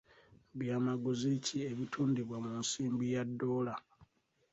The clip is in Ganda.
Byamaguzi ki ebitundibwa mu nsimbi ya doola?